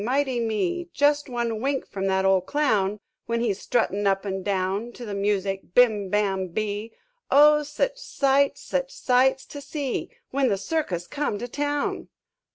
Mighty me! Jest one wink from that ol' clown, When he's struttin' up an' down To the music Bim bam bee! Oh, sich sights, sich sights to see, When the circus come to town!"